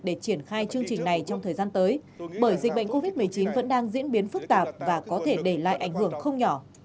để triển khai chương trình này trong thời gian tới bởi dịch bệnh covid một mươi chín vẫn đang diễn biến phức tạp và có thể để lại ảnh hưởng không nhỏ